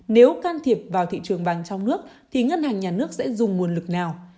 nếu can thiệp vào thị trường vàng trong nước thì ngân hàng nhà nước sẽ dùng nguồn lực nào